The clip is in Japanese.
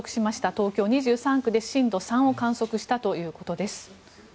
東京２３区で震度３を観測したということです。